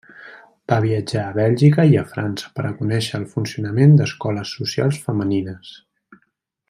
Va viatjar a Bèlgica i a França per a conéixer el funcionament d’escoles socials femenines.